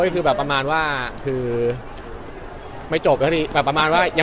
เขาก็เล่นมันบางอย่าง